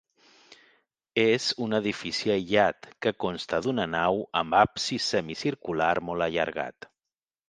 És un edifici aïllat, que consta d'una nau amb absis semicircular molt allargat.